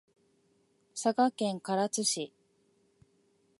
佐賀県唐津市